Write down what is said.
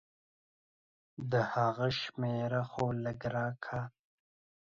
د هغه شميره خو لګه راکه.